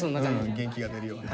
元気が出るよね。